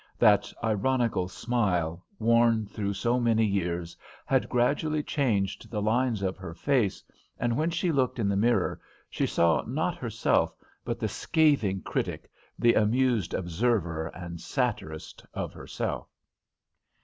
That ironical smile, worn through so many years, had gradually changed the lines of her face, and when she looked in the mirror she saw not herself, but the scathing critic, the amused observer and satirist of herself.